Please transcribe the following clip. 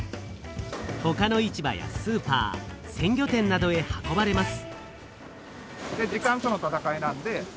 ほかの市場やスーパー鮮魚店などへ運ばれます。